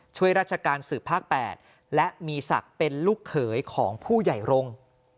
ช่วยราชการสืบภาค๘และมีศักดิ์เป็นลูกเขยของผู้ใหญ่รงค์